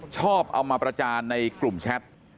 ชอบเอามาประจานในกลุ่มแชท